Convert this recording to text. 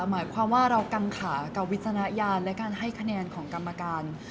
หมายความว่าเรากังขากับวิจารณญาณและการให้คะแนนของกรรมการ